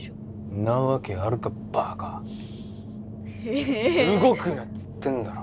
なわけあるかバカへ動くなっつってんだろ